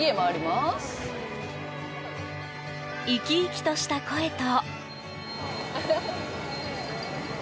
生き生きとした声と。